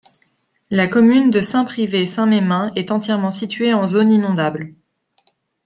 La commune de Saint-Pryvé-Saint-Mesmin est entièrement située en zone inondables.